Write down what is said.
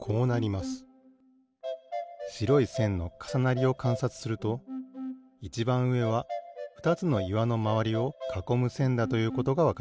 しろいせんのかさなりをかんさつするといちばんうえはふたつのいわのまわりをかこむせんだということがわかります。